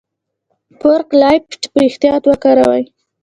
فورک لیفټ په احتیاط وکاروئ.